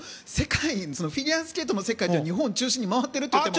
フィギュアスケートの世界って日本を中心に回っているといっても。